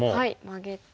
マゲて。